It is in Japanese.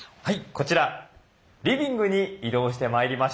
こちらリビングに移動してまいりました。